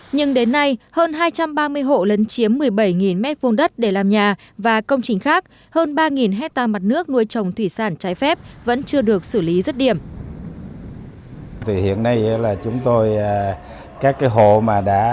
nhưng đến nay hơn hai trăm ba mươi hộ lấn chiếm một mươi bảy m hai đất để làm nhà và công trình khác hơn ba hectare mặt nước nuôi trồng thủy sản trái phép vẫn chưa được xử lý rất điểm